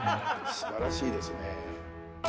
素晴らしいですね。